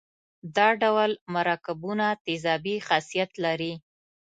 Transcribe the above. دا ډول مرکبونه تیزابي خاصیت لري.